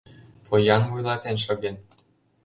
Поян вуйлатен шоген.